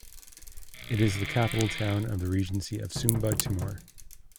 It is the capital town of the Regency of Sumba Timur.